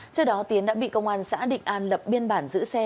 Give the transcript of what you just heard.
trước đó tiến đã bị công an xã định an lập biên bản giữ xe